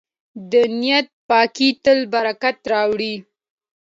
د نیت پاکي تل برکت راوړي.